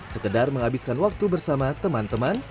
sekedar menghabiskan waktu bersama teman teman